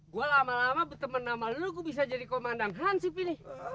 gue lama lama bertemen sama lo gue bisa jadi komandan hansip ini